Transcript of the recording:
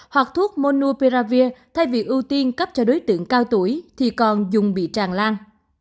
hoặc thuốc monopiravir thay vì ưu tiên cấp cho đối tượng cao tuổi thì còn dùng bị tràn lan